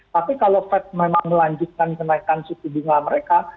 tapi kalau fed memang melanjutkan kenaikan suku bunga mereka